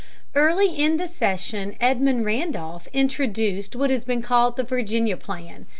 Early in the session Edmund Randolph introduced what has been called the Virginia plan.